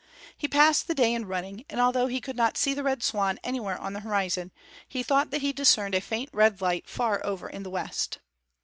He passed the day in running, and although he could not see the Red Swan anywhere on the horizon, he thought that he discerned a faint red light far over in the west.